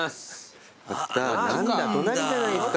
何だ隣じゃないですか。